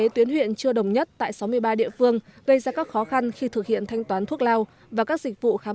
thưa quý vị